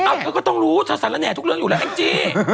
เขาก็ต้องรู้สารแน่ทุกเรื่องอยู่แล้วไอ้เจ๊